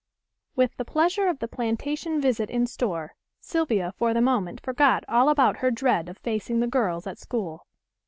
With the pleasure of the plantation visit in store Sylvia for the moment forgot all about her dread of facing the girls at school.